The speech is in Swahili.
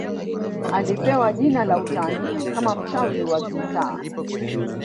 Alipewa jina la utani kama mchawi wa gitaa